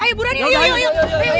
ayo buradi yuk yuk yuk